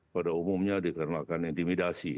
pada umumnya dikenakan intimidasi